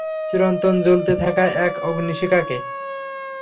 চিরন্তন জ্বলতে থাকা এক অগ্নিশিখাকে।